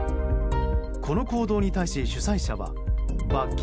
この行動に対し主催者は罰金